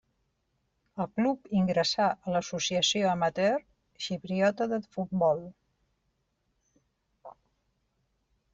El club ingressà a l'Associació Amateur Xipriota de Futbol.